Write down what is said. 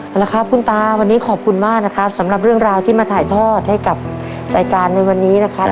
เอาละครับคุณตาวันนี้ขอบคุณมากนะครับสำหรับเรื่องราวที่มาถ่ายทอดให้กับรายการในวันนี้นะครับ